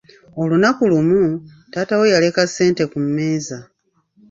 Olunaku olumu, taata we yaleka sente ku mmeeza.